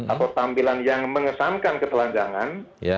atau tampilan yang mengesankan ketelanjangan